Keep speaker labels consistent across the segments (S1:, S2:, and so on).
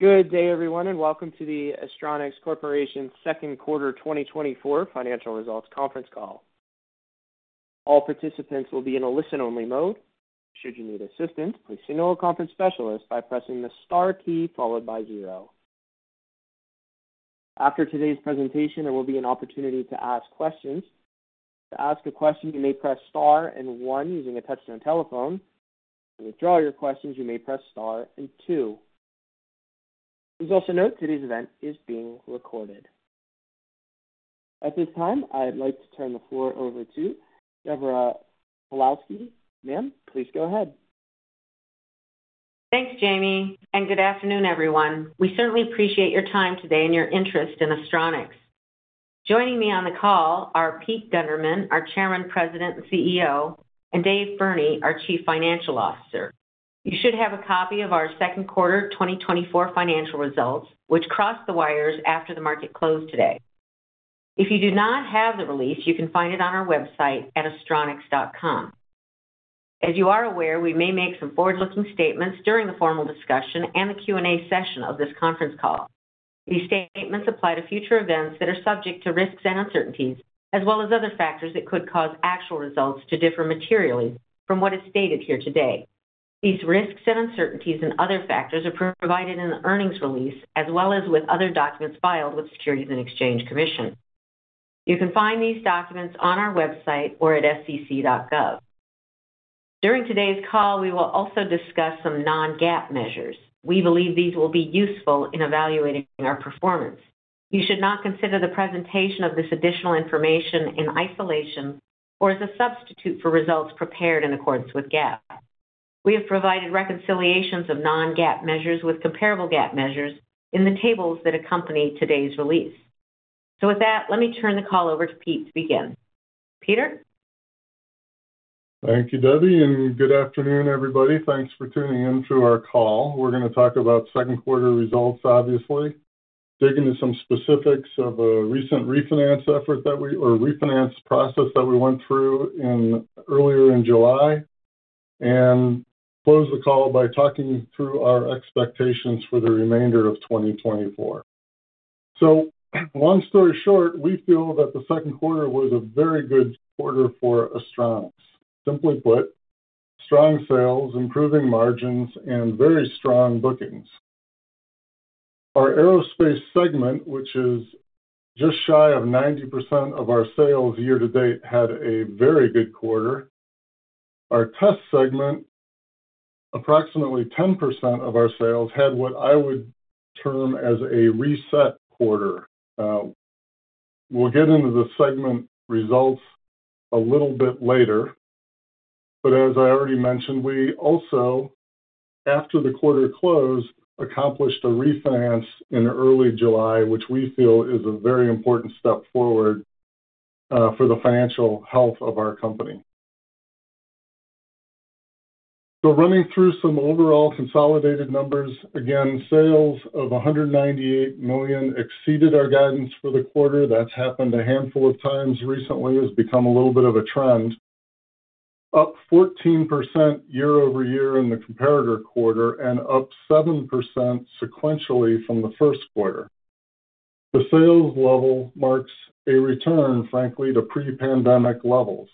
S1: Good day, everyone, and welcome to the Astronics Corporation's Q2 2024 Financial Results Conference Call. All participants will be in a listen-only mode. Should you need assistance, please signal a conference specialist by pressing the star key followed by zero. After today's presentation, there will be an opportunity to ask questions. To ask a question, you may press star and one using a touch-tone telephone. To withdraw your questions, you may press star and two. Please also note today's event is being recorded. At this time, I'd like to turn the floor over to Deborah Pawlowski. Ma'am, please go ahead.
S2: Thanks, Jamie, and good afternoon, everyone. We certainly appreciate your time today and your interest in Astronics. Joining me on the call are Pete Gundermann, our Chairman, President, and CEO, and Dave Burney, our Chief Financial Officer. You should have a copy of our Q2 2024 financial results, which crossed the wires after the market closed today. If you do not have the release, you can find it on our website at astronics.com. As you are aware, we may make some forward-looking statements during the formal discussion and the Q&A session of this conference call. These statements apply to future events that are subject to risks and uncertainties, as well as other factors that could cause actual results to differ materially from what is stated here today. These risks and uncertainties and other factors are provided in the earnings release, as well as with other documents filed with the Securities and Exchange Commission. You can find these documents on our website or at sec.gov. During today's call, we will also discuss some non-GAAP measures. We believe these will be useful in evaluating our performance. You should not consider the presentation of this additional information in isolation or as a substitute for results prepared in accordance with GAAP. We have provided reconciliations of non-GAAP measures with comparable GAAP measures in the tables that accompany today's release. So with that, let me turn the call over to Pete to begin. Peter?
S3: Thank you, Debbie, and good afternoon, everybody. Thanks for tuning in to our call. We're going to talk about Q2 results, obviously, dig into some specifics of a recent refinance effort that we, or refinance process that we went through earlier in July, and close the call by talking through our expectations for the remainder of 2024. So long story short, we feel that Q2 was a very good quarter for Astronics. Simply put, strong sales, improving margins, and very strong bookings. Our aerospace segment, which is just shy of 90% of our sales year to date, had a very good quarter. Our test segment, approximately 10% of our sales, had what I would term as a reset quarter. We'll get into the segment results a little bit later.
S4: But as I already mentioned, we also, after the quarter closed, accomplished a refinance in early July, which we feel is a very important step forward for the financial health of our company. So running through some overall consolidated numbers, again, sales of $198 million exceeded our guidance for the quarter. That's happened a handful of times recently. It's become a little bit of a trend. Up 14% year-over-year in the comparator quarter and up 7% sequentially from Q1. The sales level marks a return, frankly, to pre-pandemic levels.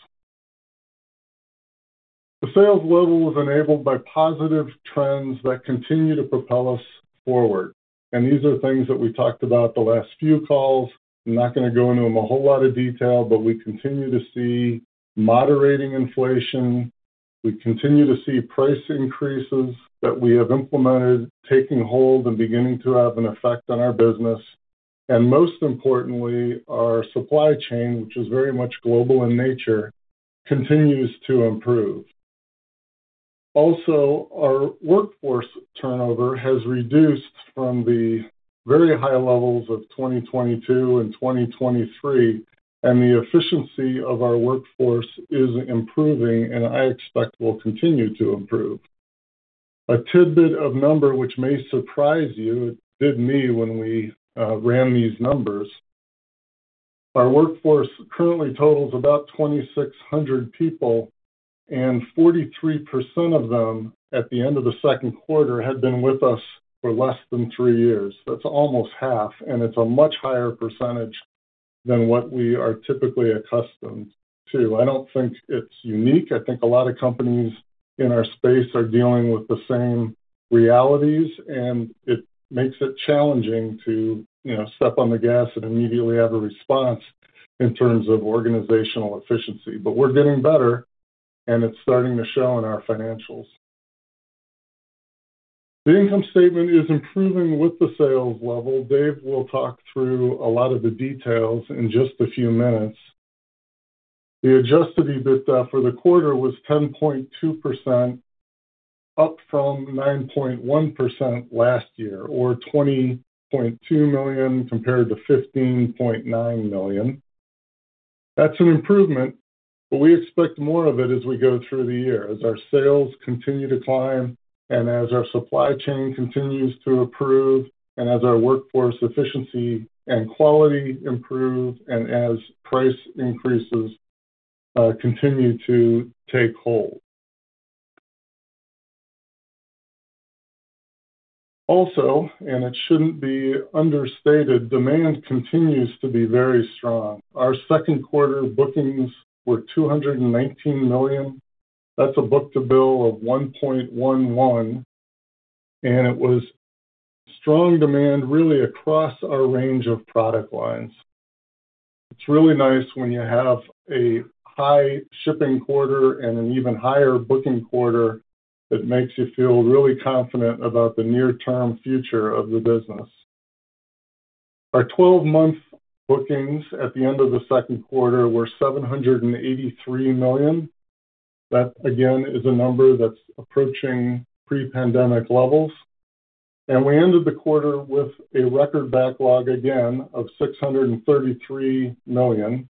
S4: The sales level was enabled by positive trends that continue to propel us forward. And these are things that we talked about the last few calls. I'm not going to go into them a whole lot of detail, but we continue to see moderating inflation. We continue to see price increases that we have implemented taking hold and beginning to have an effect on our business. Most importantly, our supply chain, which is very much global in nature, continues to improve. Also, our workforce turnover has reduced from the very high levels of 2022 and 2023, and the efficiency of our workforce is improving, and I expect will continue to improve. A tidbit of number, which may surprise you, did me when we ran these numbers. Our workforce currently totals about 2,600 people, and 43% of them at the end of Q2 had been with us for less than three years. That's almost half, and it's a much higher percentage than what we are typically accustomed to. I don't think it's unique. I think a lot of companies in our space are dealing with the same realities, and it makes it challenging to step on the gas and immediately have a response in terms of organizational efficiency. But we're getting better, and it's starting to show in our financials. The income statement is improving with the sales level. Dave will talk through a lot of the details in just a few minutes. The adjusted EBITDA for the quarter was 10.2%, up from 9.1% last year, or $20.2 million compared to $15.9 million. That's an improvement, but we expect more of it as we go through the year, as our sales continue to climb, and as our supply chain continues to improve, and as our workforce efficiency and quality improve, and as price increases continue to take hold. Also, and it shouldn't be understated, demand continues to be very strong. Our second Q2 bookings were $219 million. That's a book-to-bill of 1.11, and it was strong demand really across our range of product lines. It's really nice when you have a high shipping quarter and an even higher booking quarter that makes you feel really confident about the near-term future of the business. Our 12-month bookings at the end of the Q2 were $783 million. That, again, is a number that's approaching pre-pandemic levels. We ended the quarter with a record backlog again of $633 million,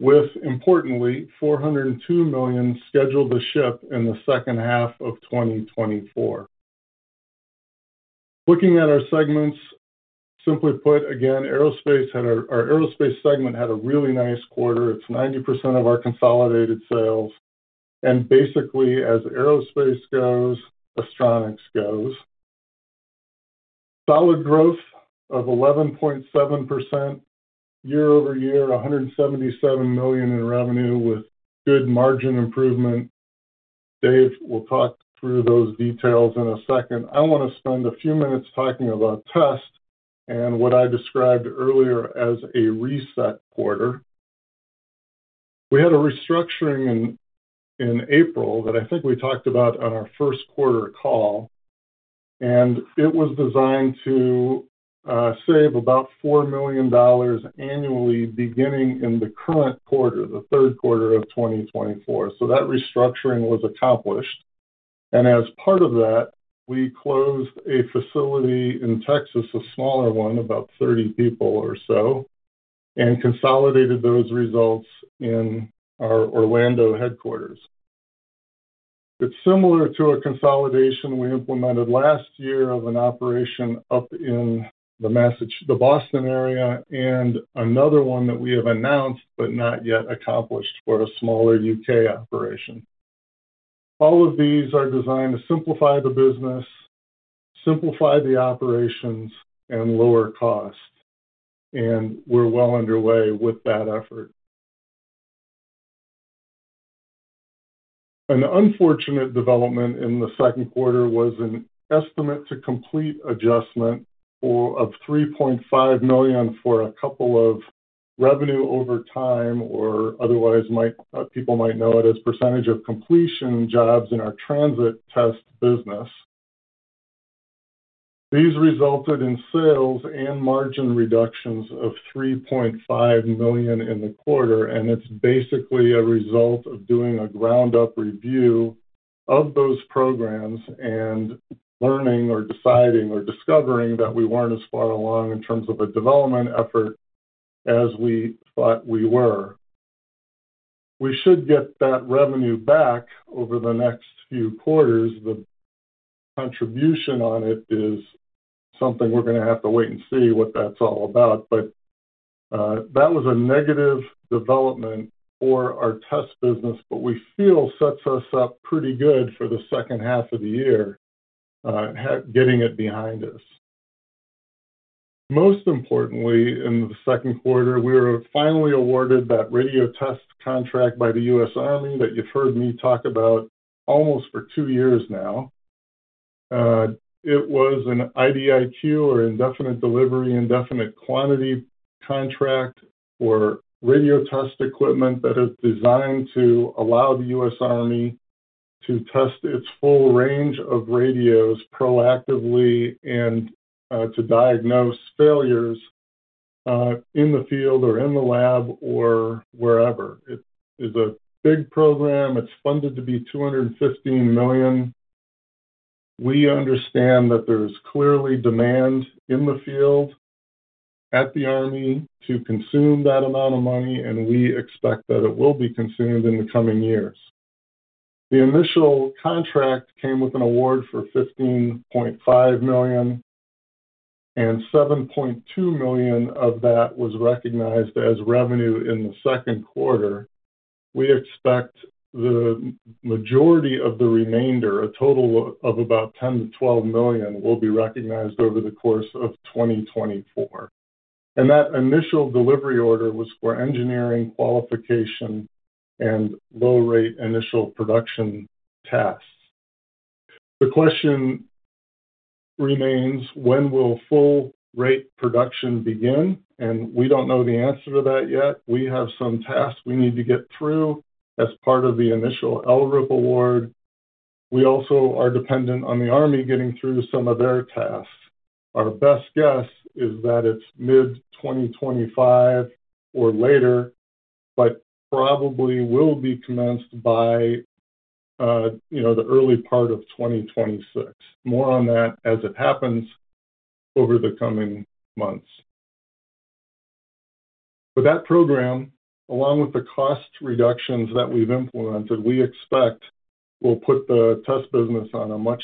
S4: with, importantly, $402 million scheduled to ship in H2 of 2024. Looking at our segments, simply put, again, our aerospace segment had a really nice quarter. It's 90% of our consolidated sales. Basically, as aerospace goes, Astronics goes. Solid growth of 11.7% year over year, $177 million in revenue with good margin improvement. Dave will talk through those details in a second. I want to spend a few minutes talking about test and what I described earlier as a reset quarter. We had a restructuring in April that I think we talked about on our Q1 call, and it was designed to save about $4 million annually beginning in the current quarter, the Q3 of 2024. So that restructuring was accomplished. And as part of that, we closed a facility in Texas, a smaller one, about 30 people or so, and consolidated those results in our Orlando headquarters. It's similar to a consolidation we implemented last year of an operation up in the Boston area and another one that we have announced but not yet accomplished for a smaller UK operation. All of these are designed to simplify the business, simplify the operations, and lower costs. We're well underway with that effort. An unfortunate development in Q2 was an estimate to complete adjustment of $3.5 million for a couple of revenue over time, or otherwise people might know it as percentage of completion jobs in our transit test business. These resulted in sales and margin reductions of $3.5 million in the quarter, and it's basically a result of doing a ground-up review of those programs and learning or deciding or discovering that we weren't as far along in terms of a development effort as we thought we were. We should get that revenue back over the next few quarters. The contribution on it is something we're going to have to wait and see what that's all about. But that was a negative development for our test business, but we feel sets us up pretty good for the second half of the year, getting it behind us. Most importantly, in Q2, we were finally awarded that radio test contract by the U.S. Army that you've heard me talk about almost for two years now. It was an IDIQ, or Indefinite Delivery Indefinite Quantity, contract for radio test equipment that is designed to allow the U.S. Army to test its full range of radios proactively and to diagnose failures in the field or in the lab or wherever. It is a big program. It's funded to be $215 million. We understand that there's clearly demand in the field at the Army to consume that amount of money, and we expect that it will be consumed in the coming years. The initial contract came with an award for $15.5 million, and $7.2 million of that was recognized as revenue in Q2. We expect the majority of the remainder, a total of about $10 to $12 million, will be recognized over the course of 2024. That initial delivery order was for engineering qualification and low-rate initial production tasks. The question remains, when will full-rate production begin? We don't know the answer to that yet. We have some tasks we need to get through as part of the initial LRIP award. We also are dependent on the Army getting through some of their tasks. Our best guess is that it's mid-2025 or later, but probably will be commenced by the early part of 2026. More on that as it happens over the coming months. But that program, along with the cost reductions that we've implemented, we expect will put the test business on a much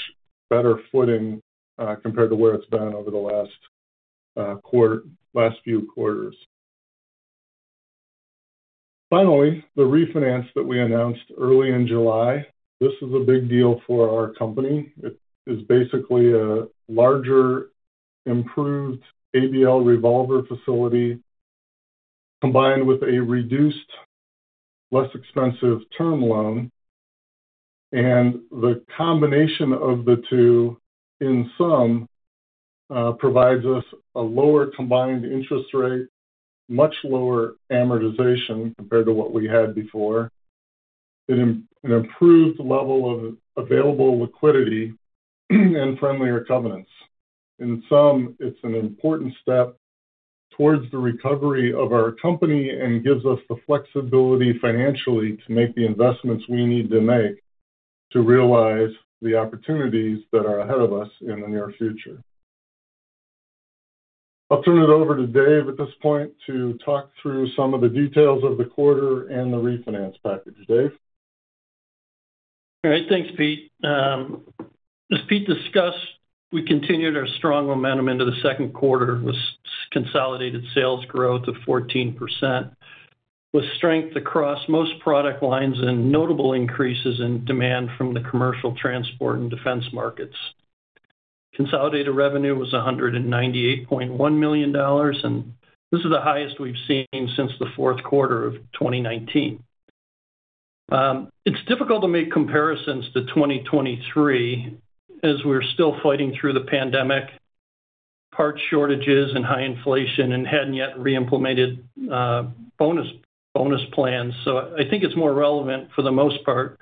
S4: better footing compared to where it's been over the last few quarters. Finally, the refinance that we announced early in July, this is a big deal for our company. It is basically a larger, improved ABL revolver facility combined with a reduced, less expensive term loan. And the combination of the two, in sum, provides us a lower combined interest rate, much lower amortization compared to what we had before, an improved level of available liquidity, and friendlier covenants. In sum, it's an important step towards the recovery of our company and gives us the flexibility financially to make the investments we need to make to realize the opportunities that are ahead of us in the near future. I'll turn it over to Dave at this point to talk through some of the details of the quarter and the refinance package. Dave?
S5: All right. Thanks, Pete. As Pete discussed, we continued our strong momentum into Q2 with consolidated sales growth of 14%, with strength across most product lines and notable increases in demand from the commercial, transport, and defense markets. Consolidated revenue was $198.1 million, and this is the highest we've seen since Q4 of 2019. It's difficult to make comparisons to 2023 as we're still fighting through the pandemic, part shortages and high inflation, and hadn't yet re-implemented bonus plans. So I think it's more relevant for the most part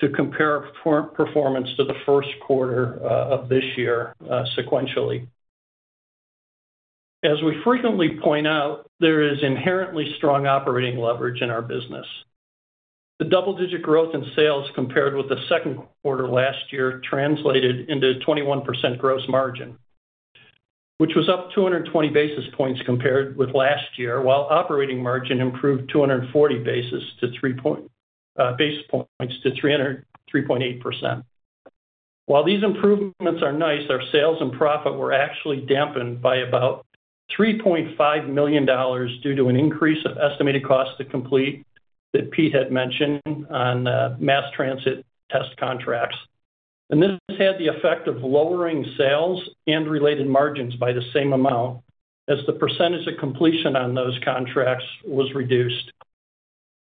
S5: to compare performance to Q1 of this year sequentially. As we frequently point out, there is inherently strong operating leverage in our business. The double-digit growth in sales compared with Q2 last year translated into a 21% gross margin, which was up 220 basis points compared with last year, while operating margin improved 240 basis points to 3.8%. While these improvements are nice, our sales and profit were actually dampened by about $3.5 million due to an increase of estimated cost to complete that Pete had mentioned on mass transit test contracts. This had the effect of lowering sales and related margins by the same amount as the percentage of completion on those contracts was reduced.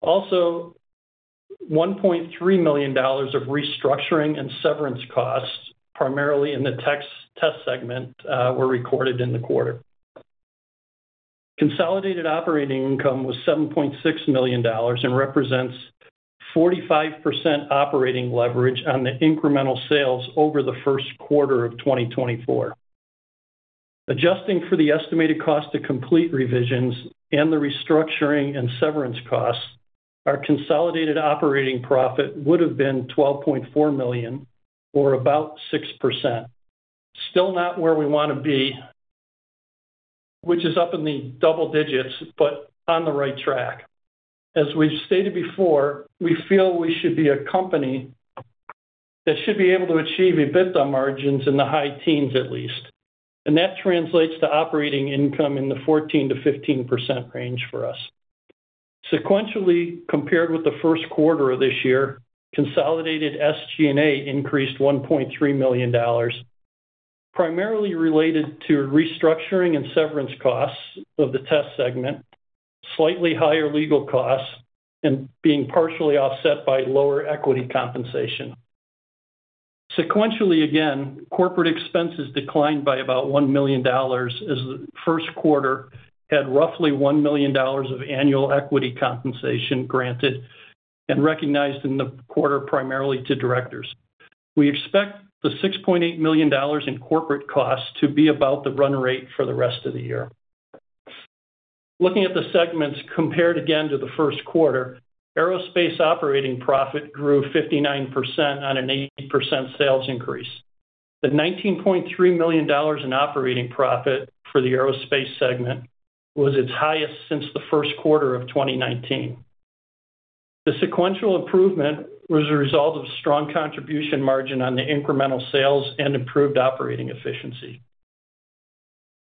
S5: Also, $1.3 million of restructuring and severance costs, primarily in the test segment, were recorded in the quarter. Consolidated operating income was $7.6 million and represents 45% operating leverage on the incremental sales over Q1 of 2024. Adjusting for the estimated cost to complete revisions and the restructuring and severance costs, our consolidated operating profit would have been $12.4 million, or about 6%. Still not where we want to be, which is up in the double digits, but on the right track. As we've stated before, we feel we should be a company that should be able to achieve EBITDA margins in the high teens, at least. And that translates to operating income in the 14% to 15% range for us. Sequentially compared with Q1 of this year, consolidated SG&A increased $1.3 million, primarily related to restructuring and severance costs of the test segment, slightly higher legal costs, and being partially offset by lower equity compensation. Sequentially, again, corporate expenses declined by about $1 million as Q1 had roughly $1 million of annual equity compensation granted and recognized in the quarter primarily to directors. We expect the $6.8 million in corporate costs to be about the run rate for the rest of the year. Looking at the segments compared again to Q1, Aerospace operating profit grew 59% on an 80% sales increase. The $19.3 million in operating profit for the Aerospace segment was its highest since Q1 of 2019. The sequential improvement was a result of strong contribution margin on the incremental sales and improved operating efficiency.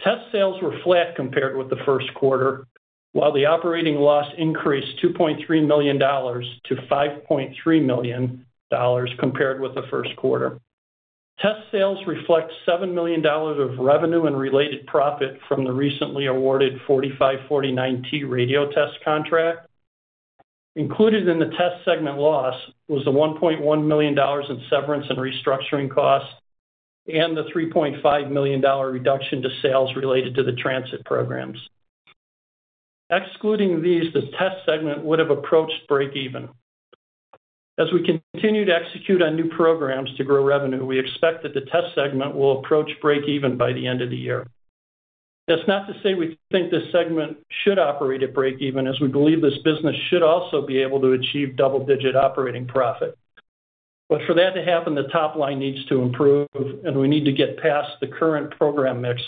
S5: Test sales were flat compared with Q1, while the operating loss increased $2.3 million to $5.3 million compared with the first quarter. Test sales reflect $7 million of revenue and related profit from the recently awarded 4549/T radio test contract. Included in the test segment loss was the $1.1 million in severance and restructuring costs and the $3.5 million reduction to sales related to the transit programs. Excluding these, the test segment would have approached break-even. As we continue to execute on new programs to grow revenue, we expect that the test segment will approach break-even by the end of the year. That's not to say we think this segment should operate at break-even, as we believe this business should also be able to achieve double-digit operating profit. But for that to happen, the top line needs to improve, and we need to get past the current program mix,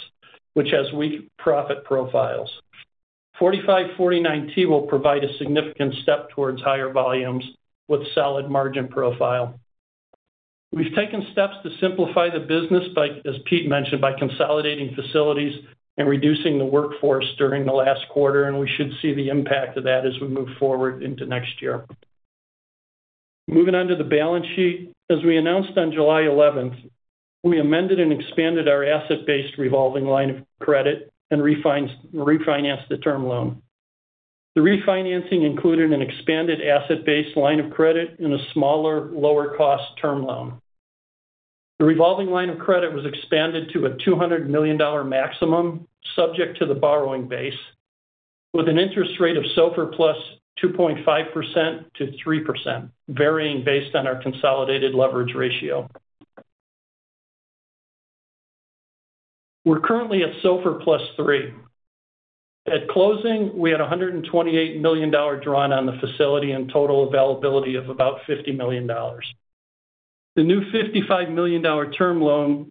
S5: which has weak profit profiles. 4549/T will provide a significant step towards higher volumes with solid margin profile. We've taken steps to simplify the business, as Pete mentioned, by consolidating facilities and reducing the workforce during the last quarter, and we should see the impact of that as we move forward into next year. Moving on to the balance sheet, as we announced on July 11th, we amended and expanded our asset-based revolving line of credit and refinanced the term loan. The refinancing included an expanded asset-based line of credit and a smaller, lower-cost term loan. The revolving line of credit was expanded to a $200 million maximum, subject to the borrowing base, with an interest rate of SOFR 2.5%-3%+, varying based on our consolidated leverage ratio. We're currently at SOFR 3%+. At closing, we had $128 million drawn on the facility and total availability of about $50 million. The new $55 million term loan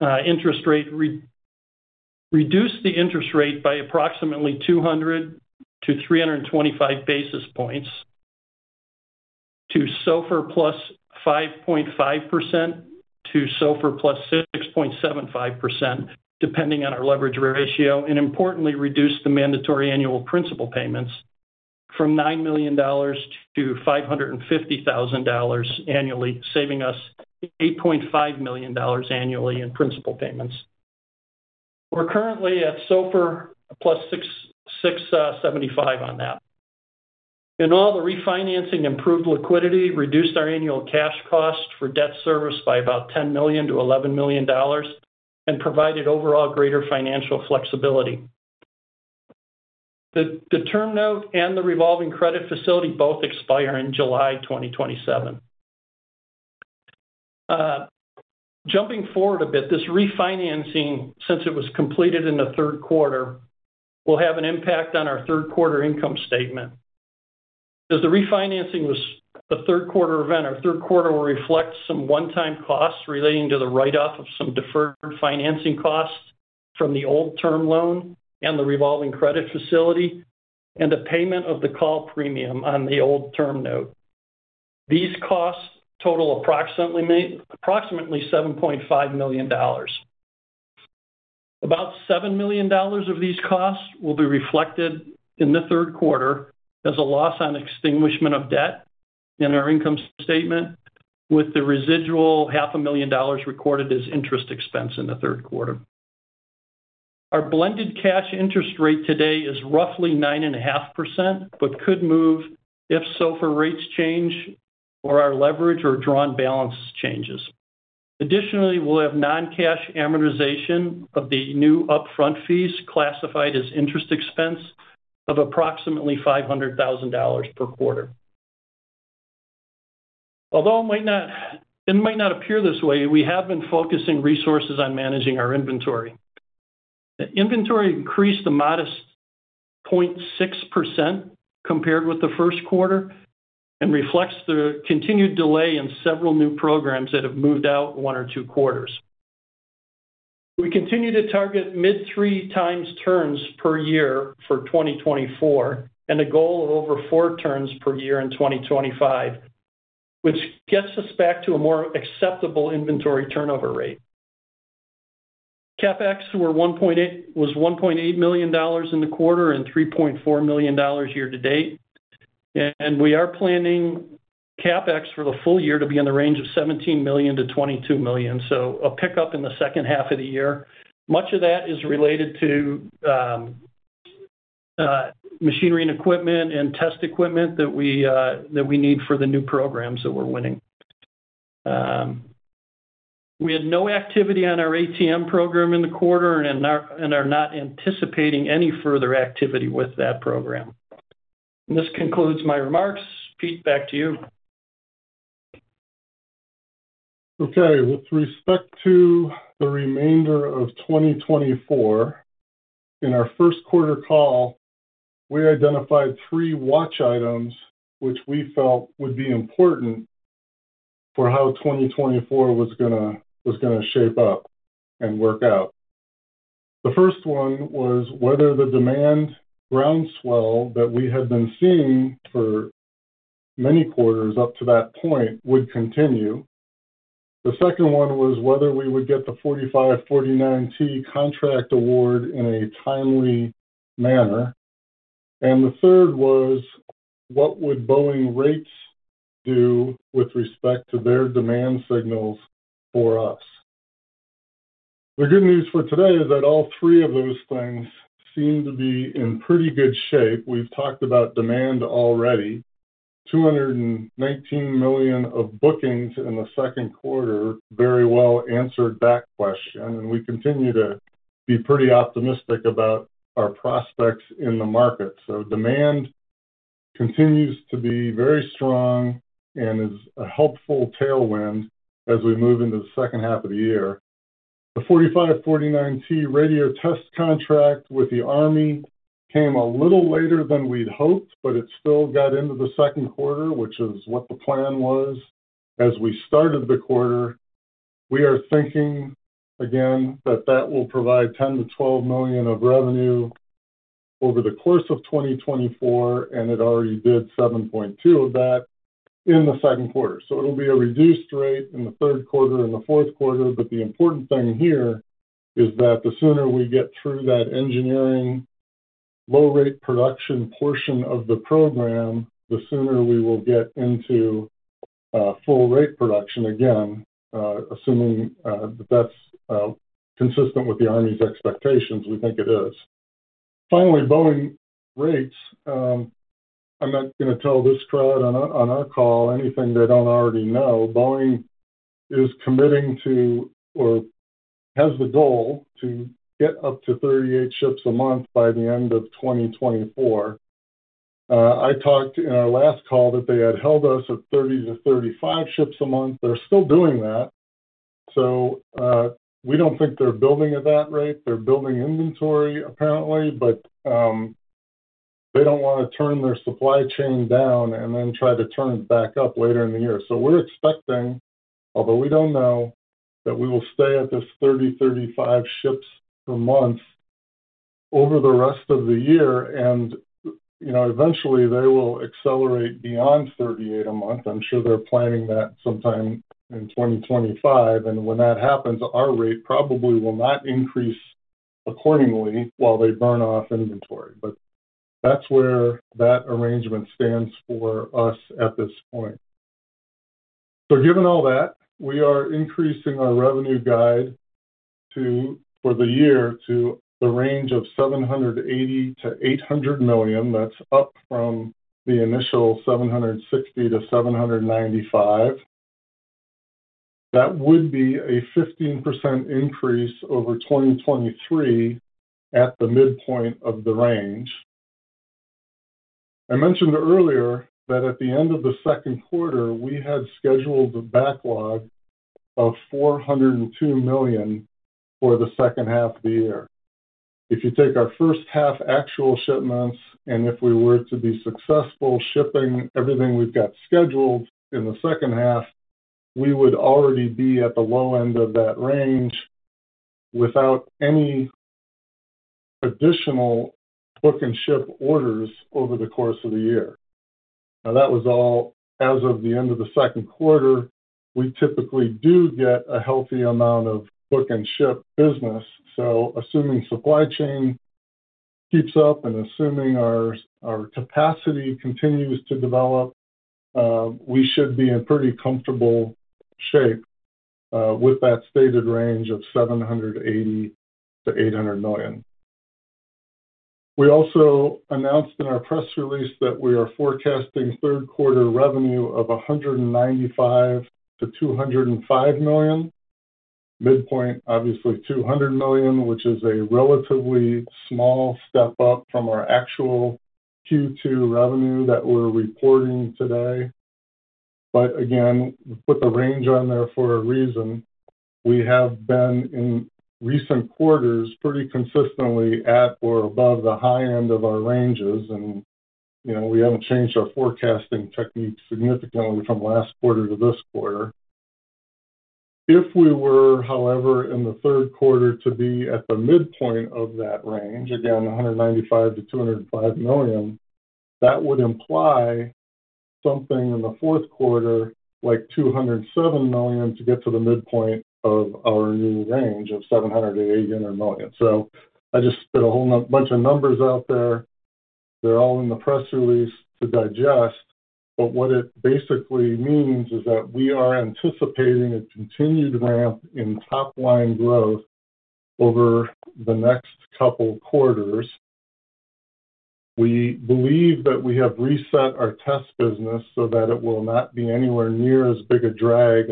S5: interest rate reduced the interest rate by approximately 200 to 325 basis points to SOFR 5.5% to 6.75%+, depending on our leverage ratio, and importantly, reduced the mandatory annual principal payments from $9 million to $550,000 annually, saving us $8.5 million annually in principal payments. We're currently at SOFR 6.75%+ on that. In all, the refinancing improved liquidity, reduced our annual cash cost for debt service by about $10 to $11 million, and provided overall greater financial flexibility. The term note and the revolving credit facility both expire in July 2027. Jumping forward a bit, this refinancing, since it was completed in Q3, will have an impact on our third quarter income statement. As the refinancing was the Q3 event, our Q3 will reflect some one-time costs relating to the write-off of some deferred financing costs from the old term loan and the revolving credit facility, and the payment of the call premium on the old term note. These costs total approximately $7.5 million. About $7 million of these costs will be reflected in Q3 as a loss on extinguishment of debt in our income statement, with the residual $500,000 recorded as interest expense in Q3. Our blended cash interest rate today is roughly 9.5%, but could move if SOFR rates change or our leverage or drawn balance changes. Additionally, we'll have non-cash amortization of the new upfront fees classified as interest expense of approximately $500,000 per quarter. Although it might not appear this way, we have been focusing resources on managing our inventory. Inventory increased a modest 0.6% compared with the first quarter and reflects the continued delay in several new programs that have moved out one or two quarters. We continue to target mid-3x turns per year for 2024 and a goal of over 4x turns per year in 2025, which gets us back to a more acceptable inventory turnover rate. CapEx was $1.8 million in the quarter and $3.4 million year to date. We are planning CapEx for the full year to be in the range of $17 million to $22 million, so a pickup in H2 of the year. Much of that is related to machinery and equipment and test equipment that we need for the new programs that we're winning. We had no activity on our ATM program in the quarter and are not anticipating any further activity with that program. This concludes my remarks. Pete, back to you.
S4: Okay. With respect to the remainder of 2024, in our Q1 call, we identified three watch items which we felt would be important for how 2024 was going to shape up and work out. The first one was whether the demand groundswell that we had been seeing for many quarters up to that point would continue. The second one was whether we would get the 4549/T contract award in a timely manner. And the third was what would Boeing rates do with respect to their demand signals for us. The good news for today is that all three of those things seem to be in pretty good shape. We've talked about demand already, $219 million of bookings in the second quarter, very well answered that question. And we continue to be pretty optimistic about our prospects in the market. So demand continues to be very strong and is a helpful tailwind as we move into the second half of the year. The 4549/T radio test contract with the Army came a little later than we'd hoped, but it still got into Q2, which is what the plan was as we started the quarter. We are thinking, again, that that will provide $10 million to $12 million of revenue over the course of 2024, and it already did $7.2 million of that in Q2. So it'll be a reduced rate in Q3 and Q4. But the important thing here is that the sooner we get through that engineering low-rate production portion of the program, the sooner we will get into full-rate production, again, assuming that that's consistent with the Army's expectations, we think it is. Finally, Boeing rates. I'm not going to tell this crowd on our call anything they don't already know. Boeing is committing to or has the goal to get up to 38 ships a month by the end of 2024. I talked in our last call that they had held us at 30 to 35 ships a month. They're still doing that. So we don't think they're building at that rate. They're building inventory, apparently, but they don't want to turn their supply chain down and then try to turn it back up later in the year. So we're expecting, although we don't know, that we will stay at this 30-35 ships per month over the rest of the year. And eventually, they will accelerate beyond 38 a month. I'm sure they're planning that sometime in 2025. And when that happens, our rate probably will not increase accordingly while they burn off inventory. But that's where that arrangement stands for us at this point. So given all that, we are increasing our revenue guide for the year to the range of $780 million to $800 million. That's up from the initial $760 million to $795 million. That would be a 15% increase over 2023 at the midpoint of the range. I mentioned earlier that at the end of Q2, we had scheduled a backlog of $402 million for H2 of the year. If you take our first half actual shipments and if we were to be successful shipping everything we've got scheduled in H2, we would already be at the low end of that range without any additional book and ship orders over the course of the year. Now, that was all as of the end of Q2. We typically do get a healthy amount of book and ship business. So assuming supply chain keeps up and assuming our capacity continues to develop, we should be in pretty comfortable shape with that stated range of $780 million to $800 million. We also announced in our press release that we are forecasting Q3 revenue of $195 million to $205 million. Midpoint, obviously, $200 million, which is a relatively small step up from our actual Q2 revenue that we're reporting today. But again, we put the range on there for a reason. We have been in recent quarters pretty consistently at or above the high end of our ranges, and we haven't changed our forecasting techniques significantly from last quarter to this quarter. If we were, however, in Q3 to be at the midpoint of that range, again, $195 million to $205 million, that would imply something in Q4, like $207 million, to get to the midpoint of our new range of $780 million or million. So I just spit a whole bunch of numbers out there. They're all in the press release to digest. But what it basically means is that we are anticipating a continued ramp in top-line growth over the next couple of quarters. We believe that we have reset our test business so that it will not be anywhere near as big a drag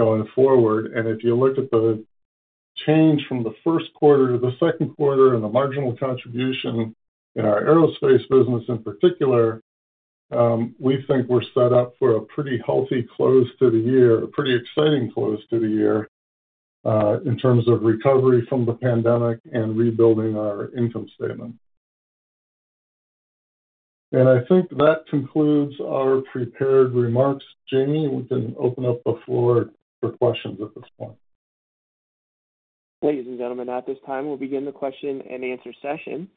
S4: on our financial results going forward. If you look at the change from Q1 to Q2 and the marginal contribution in our aerospace business in particular, we think we're set up for a pretty healthy close to the year, a pretty exciting close to the year in terms of recovery from the pandemic and rebuilding our income statement. I think that concludes our prepared remarks. Jamie, we can open up the floor for questions at this point.
S1: Ladies and gentlemen, at this time, we'll begin the question and answer session.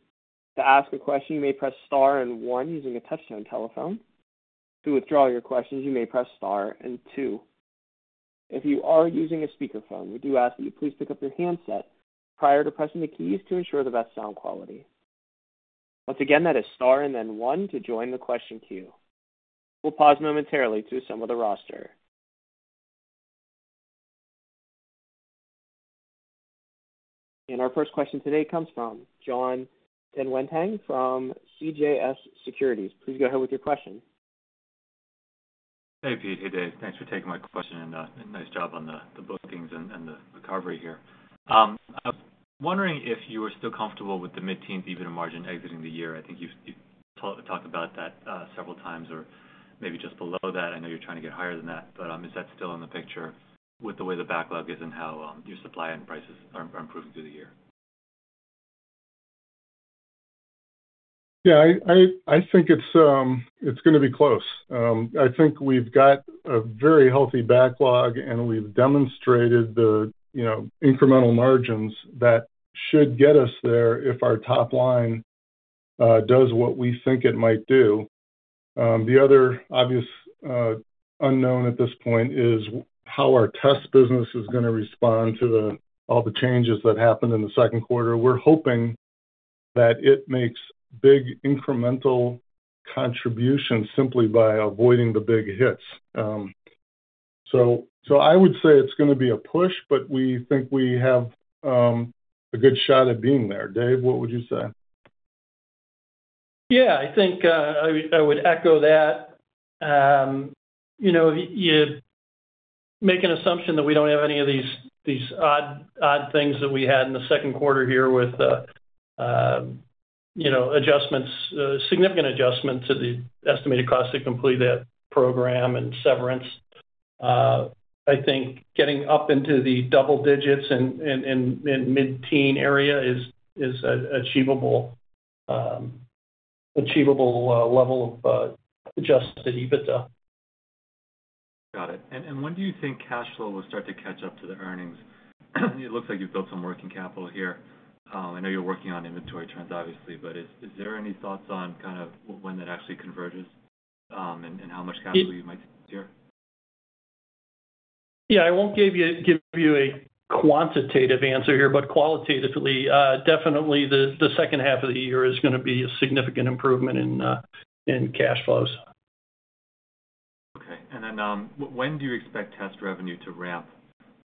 S1: To ask a question, you may press star and one using a touch-tone telephone. To withdraw your questions, you may press star and two. If you are using a speakerphone, we do ask that you please pick up your handset prior to pressing the keys to ensure the best sound quality. Once again, that is star and then one to join the question queue. We'll pause momentarily to assemble the roster. Our first question today comes from Jon Tanwanteng from CJS Securities. Please go ahead with your question.
S6: Hey, Pete. Hey, Dave. Thanks for taking my question. Nice job on the bookings and the recovery here. I was wondering if you were still comfortable with the mid-teens, even a margin exiting the year. I think you've talked about that several times or maybe just below that. I know you're trying to get higher than that, but is that still in the picture with the way the backlog is and how your supply and prices are improving through the year?
S4: Yeah. I think it's going to be close. I think we've got a very healthy backlog, and we've demonstrated the incremental margins that should get us there if our top line does what we think it might do. The other obvious unknown at this point is how our test business is going to respond to all the changes that happened in Q2. We're hoping that it makes big incremental contributions simply by avoiding the big hits. So I would say it's going to be a push, but we think we have a good shot at being there. Dave, what would you say?
S5: Yeah. I think I would echo that. You make an assumption that we don't have any of these odd things that we had in Q2 here with adjustments, significant adjustment to the estimated cost to complete that program and severance. I think getting up into the double digits in mid-teen area is an achievable level of adjusted EBITDA.
S6: Got it. And when do you think cash flow will start to catch up to the earnings? It looks like you've built some working capital here. I know you're working on inventory trends, obviously, but is there any thoughts on kind of when that actually converges and how much cash flow you might see this year?
S5: Yeah. I won't give you a quantitative answer here, but qualitatively, definitely H2 of the year is going to be a significant improvement in cash flows.
S6: Okay. And then when do you expect test revenue to ramp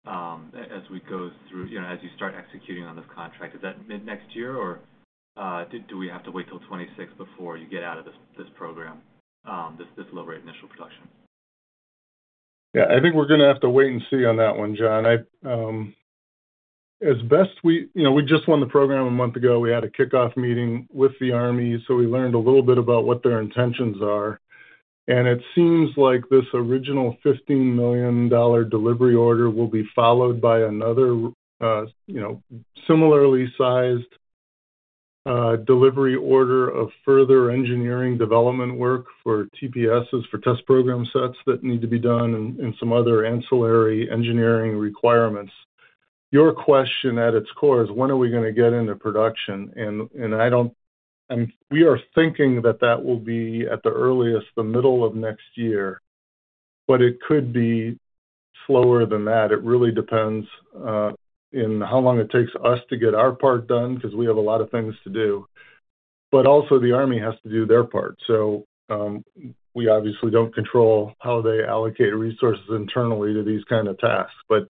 S6: as we go through, as you start executing on this contract? Is that mid-next year, or do we have to wait till 2026 before you get out of this program, this low-rate initial production?
S4: Yeah. I think we're going to have to wait and see on that one, Jon. As best we just won the program a month ago, we had a kickoff meeting with the Army, so we learned a little bit about what their intentions are. And it seems like this original $15 million delivery order will be followed by another similarly sized delivery order of further engineering development work for TPSs for test program sets that need to be done and some other ancillary engineering requirements. Your question at its core is, when are we going to get into production? And we are thinking that that will be, at the earliest, the middle of next year, but it could be slower than that. It really depends on how long it takes us to get our part done because we have a lot of things to do. But also, the Army has to do their part. So we obviously don't control how they allocate resources internally to these kinds of tasks. But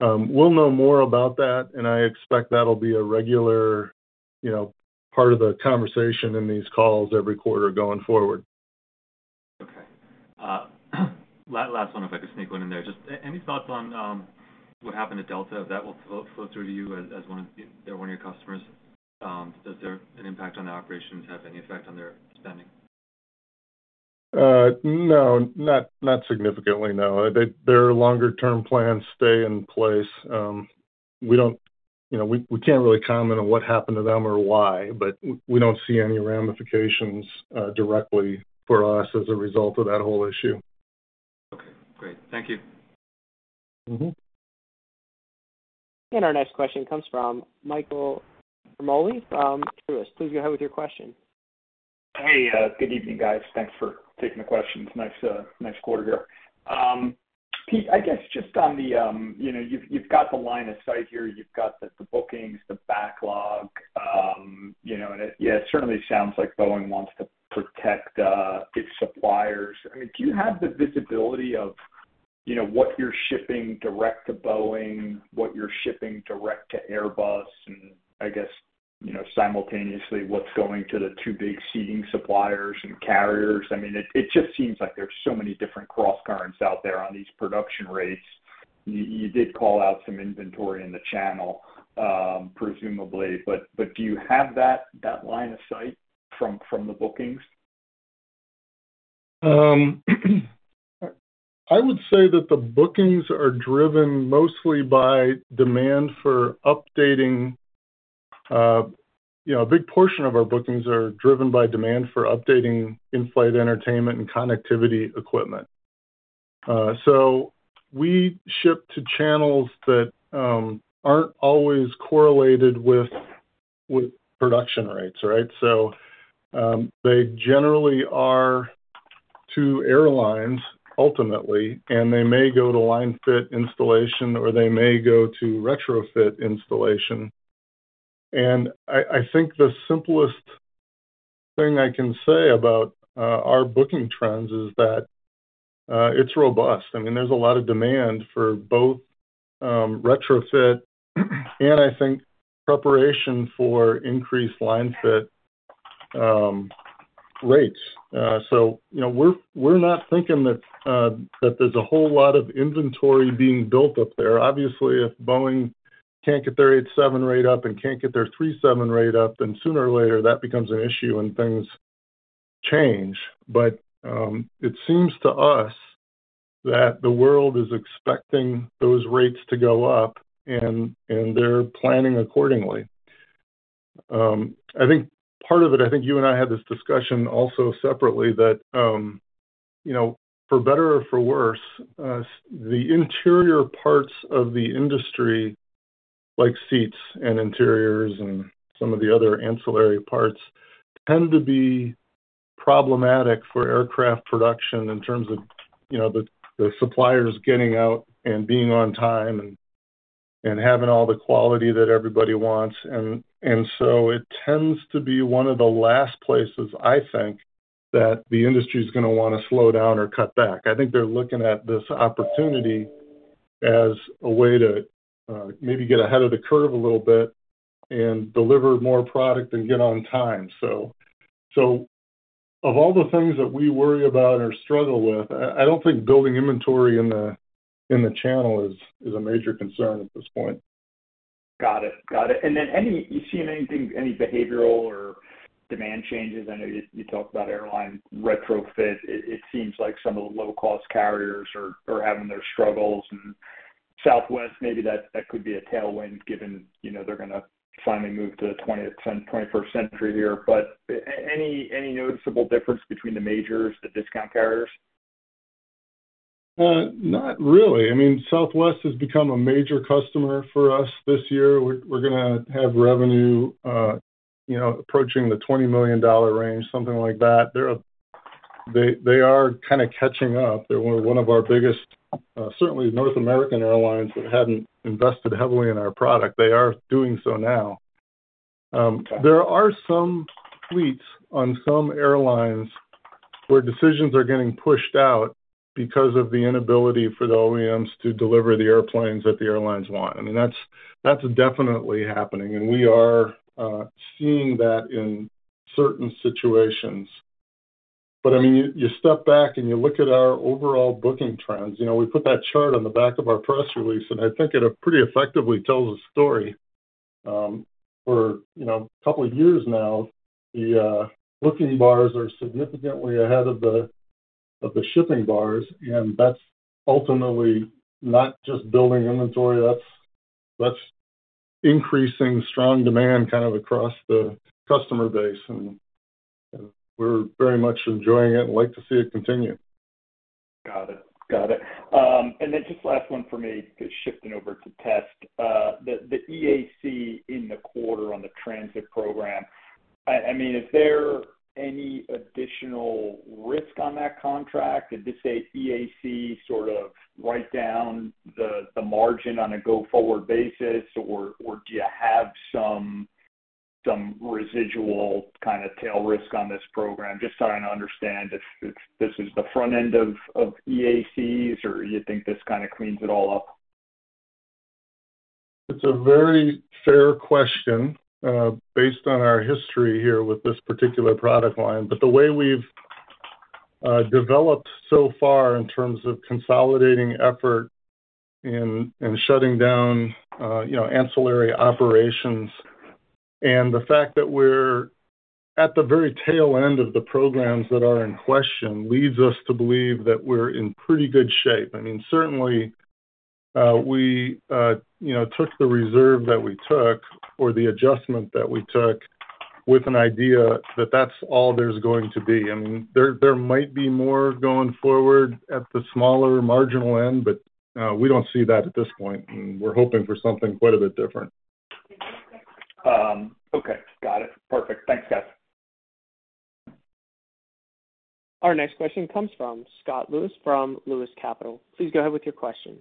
S4: we'll know more about that, and I expect that'll be a regular part of the conversation in these calls every quarter going forward.
S6: Okay. Last one, if I could sneak one in there. Just any thoughts on what happened to Delta? That will flow through to you as one of your customers. Does their impact on the operations have any effect on their spending?
S4: No. Not significantly, no. Their longer-term plans stay in place. We can't really comment on what happened to them or why, but we don't see any ramifications directly for us as a result of that whole issue.
S6: Okay. Great. Thank you.
S1: Our next question comes from Michael Ciarmoli from Truist. Please go ahead with your question.
S7: Hey. Good evening, guys. Thanks for taking the question. It's a nice quarter here. Pete, I guess just on the you've got the line of sight here. You've got the bookings, the backlog. And it certainly sounds like Boeing wants to protect its suppliers. I mean, do you have the visibility of what you're shipping direct to Boeing, what you're shipping direct to Airbus, and I guess simultaneously what's going to the two big seating suppliers and carriers? I mean, it just seems like there's so many different cross-currents out there on these production rates. You did call out some inventory in the channel, presumably. But do you have that line of sight from the bookings?
S4: I would say that the bookings are driven mostly by demand for updating. A big portion of our bookings are driven by demand for updating in-flight entertainment and connectivity equipment. So we ship to channels that aren't always correlated with production rates, right? So they generally are to airlines, ultimately, and they may go to line fit installation, or they may go to retrofit installation. I think the simplest thing I can say about our booking trends is that it's robust. I mean, there's a lot of demand for both retrofit and, I think, preparation for increased line fit rates. So we're not thinking that there's a whole lot of inventory being built up there. Obviously, if Boeing can't get their 87 rate up and can't get their 37 rate up, then sooner or later that becomes an issue and things change. But it seems to us that the world is expecting those rates to go up, and they're planning accordingly. I think part of it, I think you and I had this discussion also separately, that for better or for worse, the interior parts of the industry, like seats and interiors and some of the other ancillary parts, tend to be problematic for aircraft production in terms of the suppliers getting out and being on time and having all the quality that everybody wants. And so it tends to be one of the last places, I think, that the industry is going to want to slow down or cut back. I think they're looking at this opportunity as a way to maybe get ahead of the curve a little bit and deliver more product and get on time. Of all the things that we worry about or struggle with, I don't think building inventory in the channel is a major concern at this point.
S7: Got it. Got it. And then you see any behavioral or demand changes? I know you talked about airline retrofit. It seems like some of the low-cost carriers are having their struggles. And Southwest, maybe that could be a tailwind given they're going to finally move to the 21st century here. But any noticeable difference between the majors, the discount carriers?
S4: Not really. I mean, Southwest has become a major customer for us this year. We're going to have revenue approaching the $20 million range, something like that. They are kind of catching up. They were one of our biggest, certainly North American airlines that hadn't invested heavily in our product. They are doing so now. There are some fleets on some airlines where decisions are getting pushed out because of the inability for the OEMs to deliver the airplanes that the airlines want. I mean, that's definitely happening, and we are seeing that in certain situations. But I mean, you step back and you look at our overall booking trends. We put that chart on the back of our press release, and I think it pretty effectively tells a story. For a couple of years now, the booking bars are significantly ahead of the shipping bars, and that's ultimately not just building inventory. That's increasing strong demand kind of across the customer base, and we're very much enjoying it and like to see it continue.
S7: Got it. Got it. And then just last one for me because shifting over to test. The EAC in the quarter on the transit program, I mean, is there any additional risk on that contract? Did this EAC sort of write down the margin on a go-forward basis, or do you have some residual kind of tail risk on this program? Just trying to understand if this is the front end of EACs, or you think this kind of cleans it all up?
S4: It's a very fair question based on our history here with this particular product line. But the way we've developed so far in terms of consolidating effort and shutting down ancillary operations and the fact that we're at the very tail end of the programs that are in question leads us to believe that we're in pretty good shape. I mean, certainly, we took the reserve that we took or the adjustment that we took with an idea that that's all there's going to be. I mean, there might be more going forward at the smaller marginal end, but we don't see that at this point, and we're hoping for something quite a bit different.
S7: Okay. Got it. Perfect. Thanks, guys.
S1: Our next question comes from Scott Lewis from Lewis Capital. Please go ahead with your question.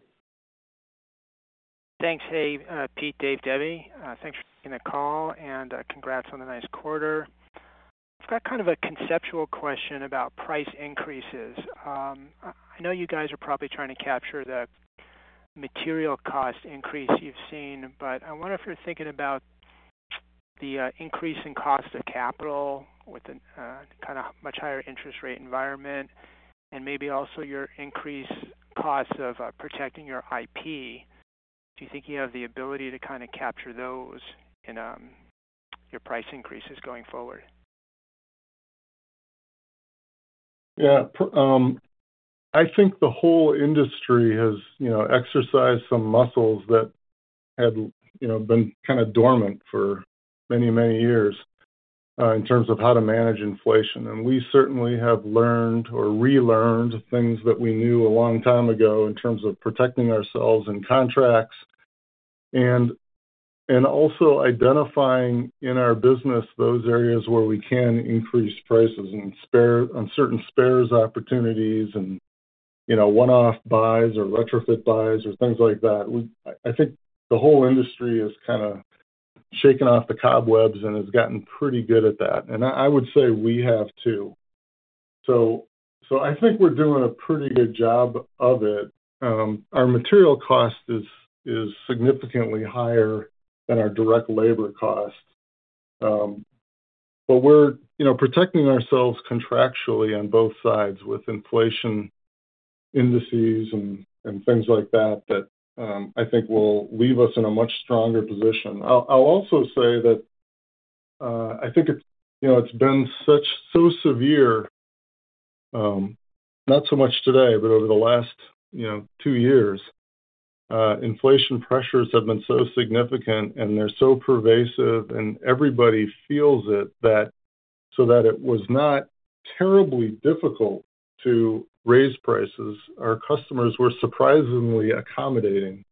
S8: Thanks, Dave. Pete, Dave, Debbie, thanks for taking the call and congrats on the nice quarter. I've got kind of a conceptual question about price increases. I know you guys are probably trying to capture the material cost increase you've seen, but I wonder if you're thinking about the increase in cost of capital with a kind of much higher interest rate environment and maybe also your increased cost of protecting your IP. Do you think you have the ability to kind of capture those in your price increases going forward?
S4: Yeah. I think the whole industry has exercised some muscles that had been kind of dormant for many, many years in terms of how to manage inflation. And we certainly have learned or relearned things that we knew a long time ago in terms of protecting ourselves in contracts and also identifying in our business those areas where we can increase prices and certain spares opportunities and one-off buys or retrofit buys or things like that. I think the whole industry has kind of shaken off the cobwebs and has gotten pretty good at that. And I would say we have too. So I think we're doing a pretty good job of it. Our material cost is significantly higher than our direct labor cost, but we're protecting ourselves contractually on both sides with inflation indices and things like that that I think will leave us in a much stronger position.
S2: I'll also say that I think it's been so severe, not so much today, but over the last two years, inflation pressures have been so significant, and they're so pervasive, and everybody feels it, so that it was not terribly difficult to raise prices. Our customers were surprisingly accommodating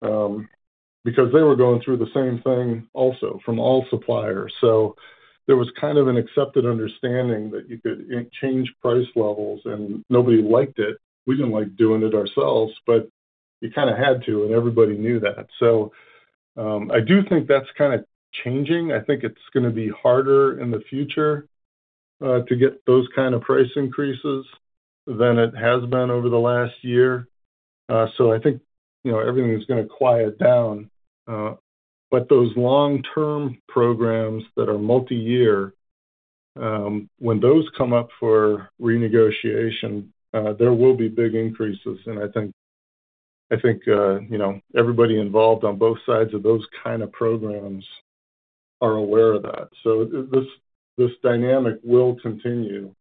S2: because they were going through the same thing also from all suppliers. So there was kind of an accepted understanding that you could change price levels, and nobody liked it. We didn't like doing it ourselves, but you kind of had to, and everybody knew that. So I do think that's kind of changing. I think it's going to be harder in the future to get those kinds of price increases than it has been over the last year. So I think everything is going to quiet down. But those long-term programs that are multi-year, when those come up for renegotiation, there will be big increases. And I think everybody involved on both sides of those kinds of programs are aware of that. So this dynamic will continue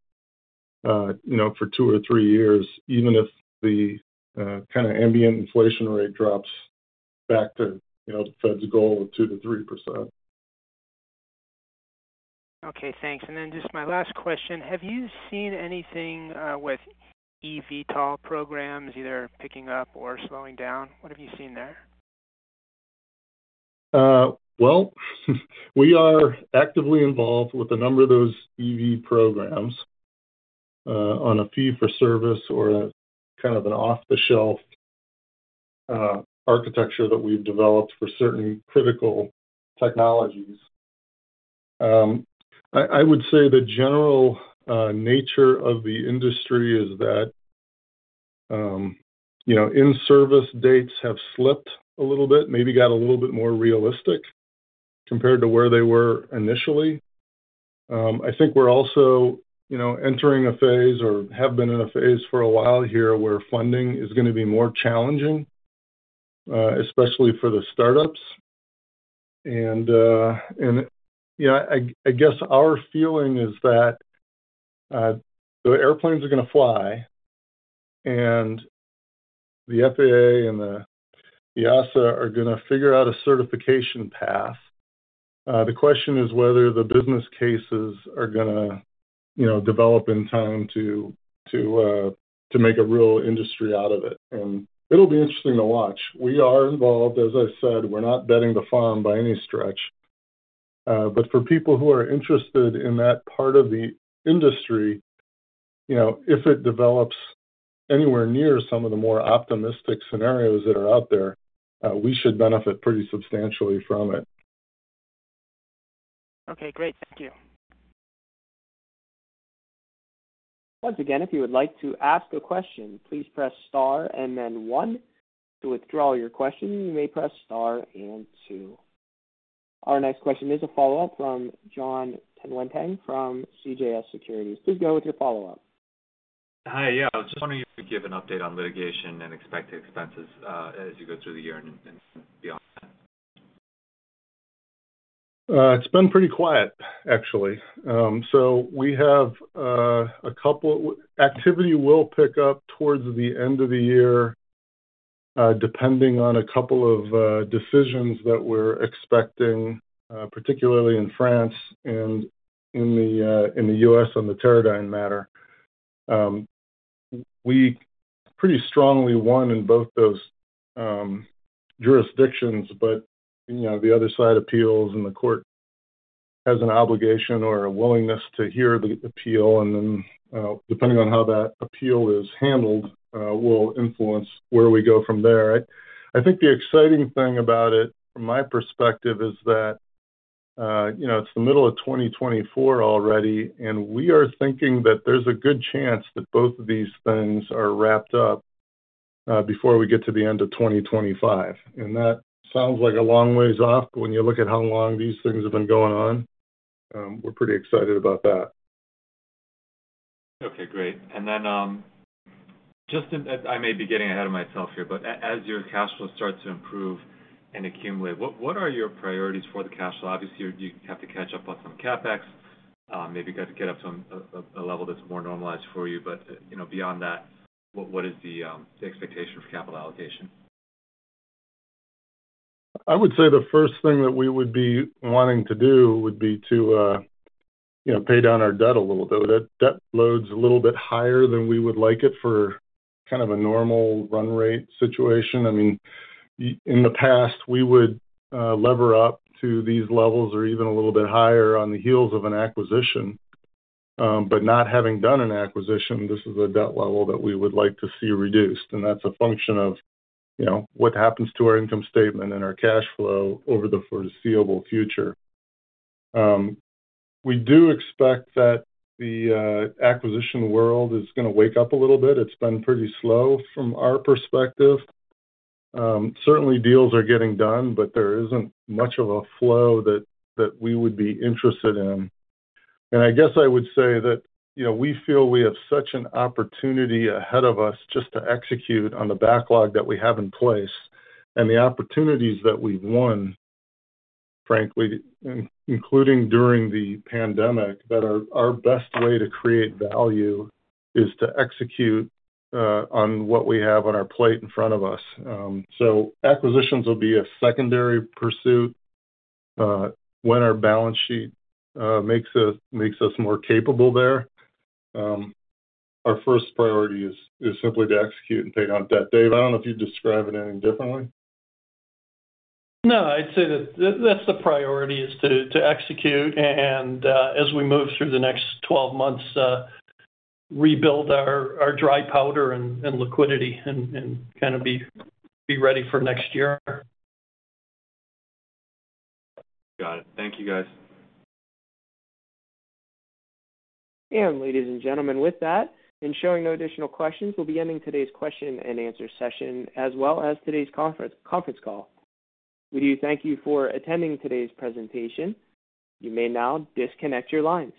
S2: for two or three years, even if the kind of ambient inflation rate drops back to the Fed's goal of 2% to 3%.
S8: Okay. Thanks. And then just my last question. Have you seen anything with eVTOL programs, either picking up or slowing down? What have you seen there?
S4: Well, we are actively involved with a number of those eV programs on a fee-for-service or kind of an off-the-shelf architecture that we've developed for certain critical technologies. I would say the general nature of the industry is that in-service dates have slipped a little bit, maybe got a little bit more realistic compared to where they were initially. I think we're also entering a phase or have been in a phase for a while here where funding is going to be more challenging, especially for the startups. And I guess our feeling is that the airplanes are going to fly, and the FAA and the EASA are going to figure out a certification path. The question is whether the business cases are going to develop in time to make a real industry out of it. And it'll be interesting to watch. We are involved. As I said, we're not betting the farm by any stretch. But for people who are interested in that part of the industry, if it develops anywhere near some of the more optimistic scenarios that are out there, we should benefit pretty substantially from it.
S8: Okay. Great. Thank you.
S1: Once again, if you would like to ask a question, please press star and then one. To withdraw your question, you may press star and two. Our next question is a follow-up from Jon Tanwanteng from CJS Securities. Please go with your follow-up.
S6: Hi. Yeah. I was just wondering if you could give an update on litigation and expected expenses as you go through the year and beyond?
S4: It's been pretty quiet, actually. So we have a couple activity will pick up towards the end of the year depending on a couple of decisions that we're expecting, particularly in France and in the US on the Teradyne matter. We pretty strongly won in both those jurisdictions, but the other side appeals and the court has an obligation or a willingness to hear the appeal. And then depending on how that appeal is handled, will influence where we go from there. I think the exciting thing about it from my perspective is that it's the middle of 2024 already, and we are thinking that there's a good chance that both of these things are wrapped up before we get to the end of 2025. That sounds like a long ways off, but when you look at how long these things have been going on, we're pretty excited about that.
S6: Okay. Great. And then just I may be getting ahead of myself here, but as your cash flow starts to improve and accumulate, what are your priorities for the cash flow? Obviously, you have to catch up on some CapEx. Maybe you got to get up to a level that's more normalized for you. But beyond that, what is the expectation for capital allocation?
S4: I would say the first thing that we would be wanting to do would be to pay down our debt a little bit. That debt load's a little bit higher than we would like it for kind of a normal run rate situation. I mean, in the past, we would lever up to these levels or even a little bit higher on the heels of an acquisition. But not having done an acquisition, this is a debt level that we would like to see reduced. And that's a function of what happens to our income statement and our cash flow over the foreseeable future. We do expect that the acquisition world is going to wake up a little bit. It's been pretty slow from our perspective. Certainly, deals are getting done, but there isn't much of a flow that we would be interested in. I guess I would say that we feel we have such an opportunity ahead of us just to execute on the backlog that we have in place and the opportunities that we've won, frankly, including during the pandemic, that our best way to create value is to execute on what we have on our plate in front of us. Acquisitions will be a secondary pursuit when our balance sheet makes us more capable there. Our first priority is simply to execute and pay down debt. Dave, I don't know if you'd describe it any differently.
S5: No, I'd say that that's the priority is to execute and, as we move through the next 12 months, rebuild our dry powder and liquidity and kind of be ready for next year.
S6: Got it. Thank you, guys.
S1: Ladies and gentlemen, with that and showing no additional questions, we'll be ending today's question and answer session as well as today's conference call. We do thank you for attending today's presentation. You may now disconnect your lines.